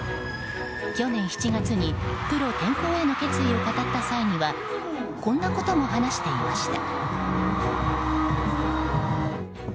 去年７月にプロ転向への決意を語った際にはこんなことも話していました。